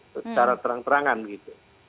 secara terang terangan gitu